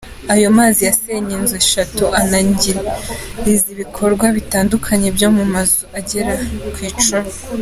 Ayo mazi yasenye inzu eshatu, anangiza ibikoresho bitandukanye byo mu mazu agera ku icumi.